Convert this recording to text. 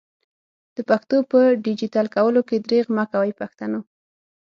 د پښتو په ډيجيټل کولو کي درېغ مکوئ پښتنو!